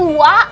udah punya anak